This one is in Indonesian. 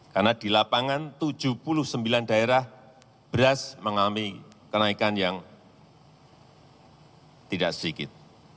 karena di lapangan tujuh puluh sembilan daerah beras mengalami kenaikan yang tidak sedikit